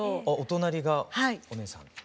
あお隣がお姉さん。